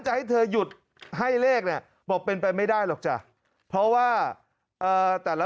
จะให้เธอหยุดให้เลขเนี่ยบอกเป็นไปไม่ได้หรอกจ้ะเพราะว่าเอ่อแต่ละ